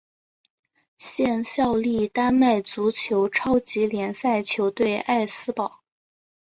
现效力丹麦足球超级联赛球队艾斯堡。